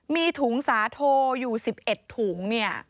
มีถุงสาโทอยู่๑๑ถุง